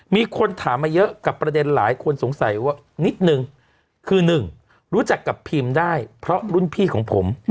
มีคนถามมาเยอะกับประเด็นหลายคนสงสัยว่านิดนึงคือหนึ่งรู้จักกับพิมได้เพราะรุ่นพี่ของผม